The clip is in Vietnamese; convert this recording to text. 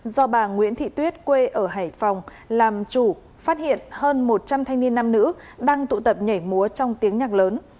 do bà nguyễn thị tuyết quê ở hải phòng làm chủ phát hiện hơn một trăm linh thanh niên nam nữ đang tụ tập nhảy múa trong tiếng nhạc lớn